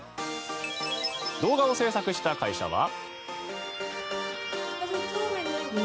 動画を制作した会社は。